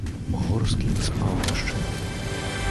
Горскі не спаў яшчэ.